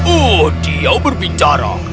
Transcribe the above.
oh dia berbicara